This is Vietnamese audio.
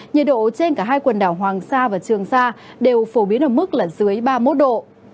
nhiệt độ trên cả hai quần đảo hoàng sa và trường sa đều phổ biến ở mức là dưới ba mươi một độ